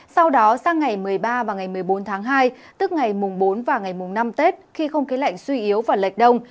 sau đó sang ngày một mươi ba và ngày một mươi bốn tháng hai tức ngày mùng bốn và ngày mùng năm tết khi không khí lạnh suy yếu và lệch đông